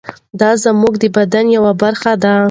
دا زموږ د بدن یوه برخه ده.